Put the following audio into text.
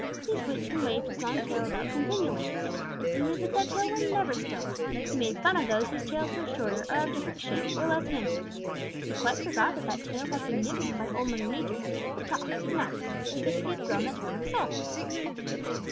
He switched and waved his long tail about continually. It seemed as if that tail were never still. He made fun of those whose tails were shorter or of different shape or less handsome. He quite forgot that that tail had been given him by Old Mother Nature, but talked and acted as if he had grown that tail himself.